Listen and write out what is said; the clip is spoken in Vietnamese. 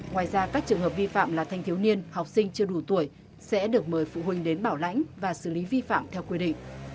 ngoài ra các trường hợp vi phạm là thanh thiếu niên học sinh chưa đủ tuổi sẽ được mời phụ huynh đến bảo lãnh và xử lý vi phạm theo quy định